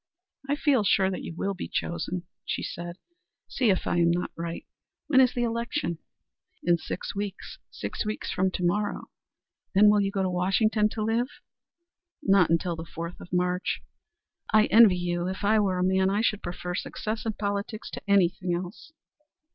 "I feel sure that you will be chosen," she said. "See if I am not right. When is the election?" "In six weeks. Six weeks from to morrow." "Then you will go to Washington to live?" "Not until the fourth of March." "I envy you. If I were a man I should prefer success in politics to anything else."